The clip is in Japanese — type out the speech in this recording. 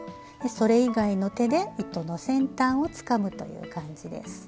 それ以外の手で糸の先端をつかむという感じです。